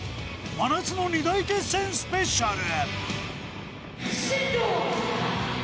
真夏の二大決戦スペシャル。